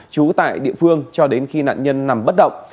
trú tại địa phương cho đến khi nạn nhân nằm bất động